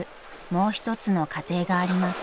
もう一つの家庭があります］